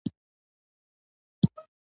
خوړل د شپهنۍ برکت لري